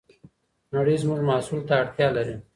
نړۍ زموږ محصول ته اړتیا لري.